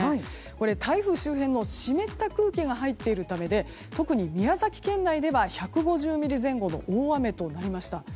これは台風周辺の湿った空気が入っているためで特に宮崎県内では１５０ミリ前後の大雨となりました。